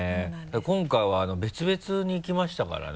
今回は別々に行きましたからね。